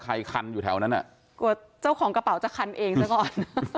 คันอยู่แถวนั้นอ่ะกลัวเจ้าของกระเป๋าจะคันเองซะก่อน